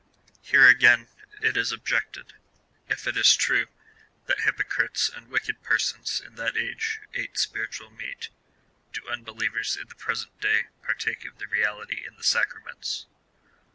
Here again it is objected :" If it is true, that hypocrites and Avicked persons in that age ate spiritual meat, do un believers in the present day partake of the reality in the sacraments